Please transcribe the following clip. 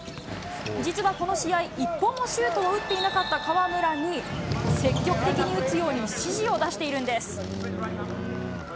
実は、この試合、一本もシュートを打っていなかった河村に、積極的に打つように指示を出しているんです。